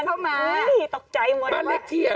น้องก็ตกใจมาก